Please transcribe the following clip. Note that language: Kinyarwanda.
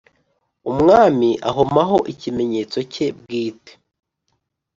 Umwami ahomaho ikimenyetso cye bwite